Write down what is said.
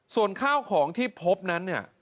ส่วนข้าวของที่พบนั้น